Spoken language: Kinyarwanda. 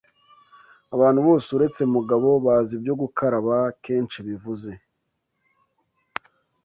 Abantu bose uretse Mugabo bazi ibyo gukaraba kenshi bivuze